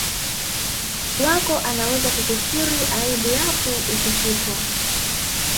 wako anaweza kukustiri aibu yako ukifikwa